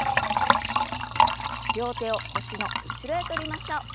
両手を腰の後ろへ取りましょう。